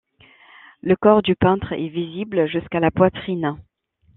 Le corps du peintre est visible jusqu'à la poitrine.